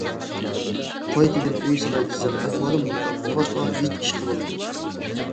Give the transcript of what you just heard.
قايتىدىن ئۆي سالاي دېسەم ئەھۋالىم بۇنداق بولغاچقا، ھېچ ئىش قىلالمىدىم.